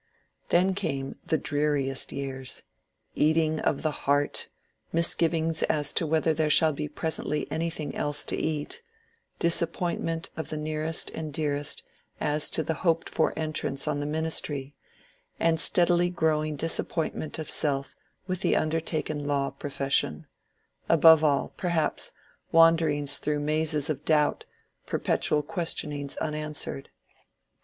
Then came the dreariest years, — eating of the heart, misgivings as to whether there shall be presentiy anything else to eat, disappointment of the nearest and dearest as to the hoped for entrance on the ministry, and steadily growing dis appointment of self with the undertaken law profession, — above all, perhaps, wanderings through mazes of doubt, per petual questionings unanswered.